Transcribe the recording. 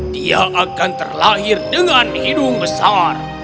dia akan terlahir dengan hidung besar